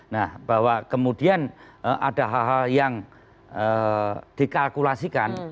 nah bahwa kemudian ada hal hal yang dikalkulasikan